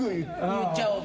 言っちゃう。